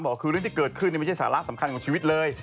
บอกคือเรื่องที่เกิดขึ้นไม่ใช่สาระสำคัญของชีวิตเลย